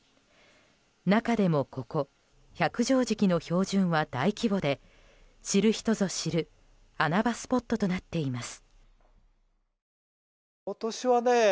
中でも、ここ百畳敷の氷筍は大規模で知る人ぞ知る穴場スポットとなっています。